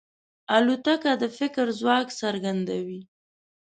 الوتکه د فکر ځواک څرګندوي.